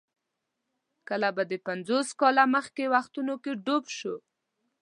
کله به پنځوس کاله مخکې وختونو کې ډوب شو.